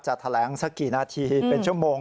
แถลงสักกี่นาทีเป็นชั่วโมง